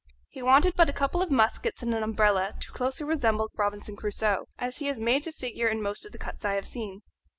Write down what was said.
He wanted but a couple of muskets and an umbrella to closely resemble Robinson Crusoe, as he is made to figure in most of the cuts I have seen.